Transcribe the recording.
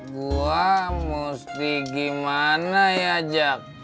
gue mesti gimana ya jack